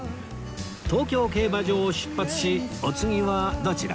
東京競馬場を出発しお次はどちらへ？